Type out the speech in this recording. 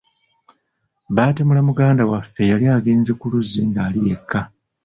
Baatemula muganda waffe yali agenze ku luzzi ng’ali yekka.